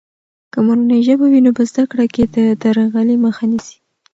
که مورنۍ ژبه وي، نو په زده کړه کې د درغلي مخه نیسي.